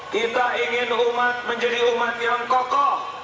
kita ingin umat menjadi umat yang kokoh